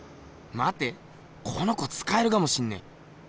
まてこの子つかえるかもしんねえ。